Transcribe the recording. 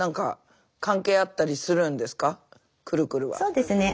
そうですね。